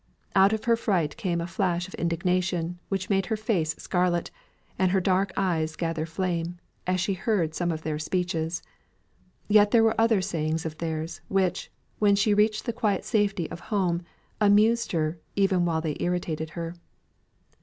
Out of her fright came a flash of indignation which made her face scarlet, and her dark eyes gather flame, as she heard some of their speeches. Yet there were other sayings of theirs, which, when she reached the quiet safety of home, amused her even while they irritated her.